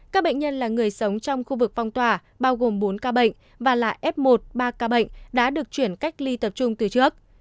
các bệnh nhân là người sống trong khu vực phong tỏa bao gồm bốn ca bệnh và là f một ba ca bệnh đã được chuyển cách ly tập trung từ trước